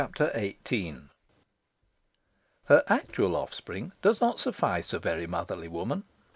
XVIII Her actual offspring does not suffice a very motherly woman.